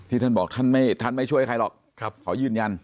ท่านบอกท่านไม่ช่วยใครหรอกขอยืนยัน